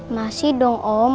masih dong om